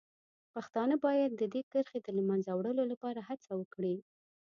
پښتانه باید د دې کرښې د له منځه وړلو لپاره هڅه وکړي.